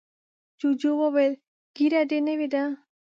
جوجو وویل ږیره دې نوې ده.